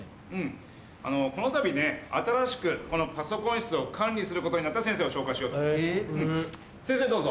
このたびね新しくこのパソコン室を管理することになった先生を紹介しようと思う先生どうぞ。